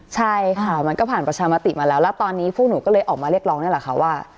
ใช่ค่ะมันก็ผ่านประชามติมาแล้วแล้วตอนนี้พวกหนูก็เลยออกมาเรียกร้องนี่แหละค่ะว่า